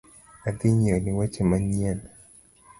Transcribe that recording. Adhi nyieoni woche manyien